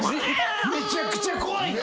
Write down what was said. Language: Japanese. めちゃくちゃ怖いな！